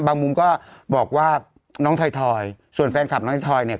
มุมก็บอกว่าน้องถอยส่วนแฟนคลับน้องทอยเนี่ย